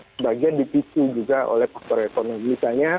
sebagian dipisu juga oleh faktor ekonomi